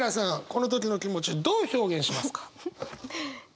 この時の気持ちどう表現しますか？